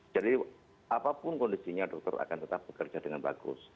jadi apapun kondisinya dokter akan tetap bekerja dengan bagus